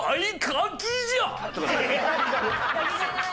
柿じゃない。